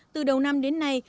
từ đầu năm đến nay